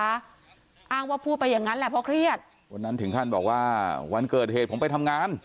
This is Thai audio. อ้างว่าพูดไปอย่างนั้นแหละเพราะเครียดวันนั้นถึงขั้นบอกว่าวันเกิดเหตุผมไปทำงาน